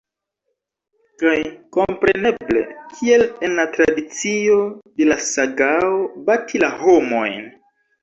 Kaj kompreneble, kiel en la tradicio de la sagao, bati la homojn.